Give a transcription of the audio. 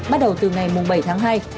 bắt đầu từ ngày bảy tháng hai